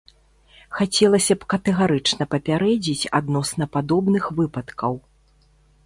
Хацелася б катэгарычна папярэдзіць адносна падобных выпадкаў.